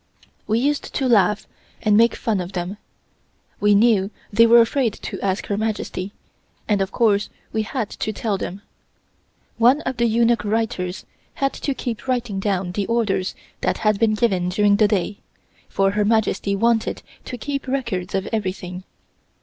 We used to laugh and make fun of them. We knew they were afraid to ask Her Majesty, and of course we had to tell them. One of the eunuch writers had to keep writing down the orders that had been given during the day, for Her Majesty wanted to keep records of everything.